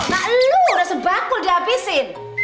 nah lu udah sebangkul diapisin